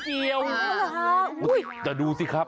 ที่นี่มันเสาครับ